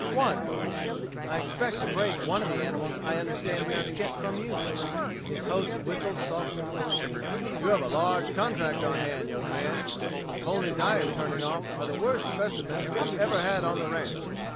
"Once. I expect to break one of the animals I understand we are to get from you." His host whistled softly. "You have a large contract on hand, young man. The ponies I am turning off are the worst specimens we ever had on the ranch.